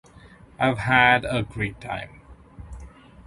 I've had a great time.